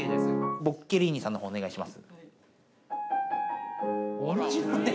ボッケリーニさんのほうをお願いします。